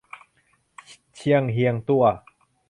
เชียงเฮียงตั้ว